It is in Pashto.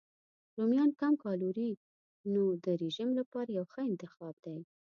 رومیان کم کالوري نو د رژیم لپاره یو ښه انتخاب دی.